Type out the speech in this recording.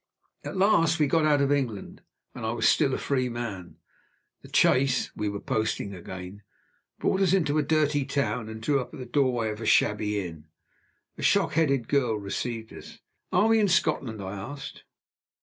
At last we got out of England, and I was still a free man. The chaise (we were posting again) brought us into a dirty town, and drew up at the door of a shabby inn. A shock headed girl received us. "Are we in Scotland?" I asked.